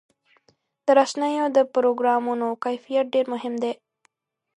د رسنیو د پروګرامونو کیفیت ډېر مهم دی.